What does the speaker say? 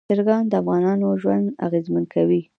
چرګان د افغانانو ژوند اغېزمن کوي.